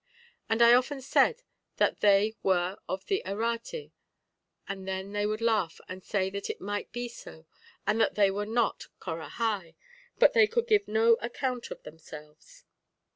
And I often said that they were of the Errate, and then they would laugh and say that it might be so, and that they were not Corahai, but they could give no account of themselves.